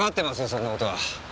そんなことは。